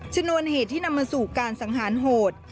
ชนวนเหตุที่นำมาสู่การสังหารโหด